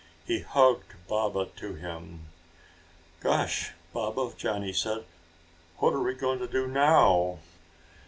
He hugged Baba to him. "Gosh, Baba," Johnny said, "what are we going to do now?"